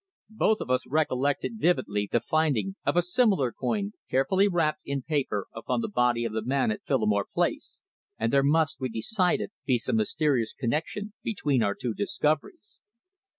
Both of us recollected vividly the finding of a similar coin carefully wrapped in paper upon the body of the man at Phillimore Place, and there must, we decided, be some mysterious connexion between our two discoveries.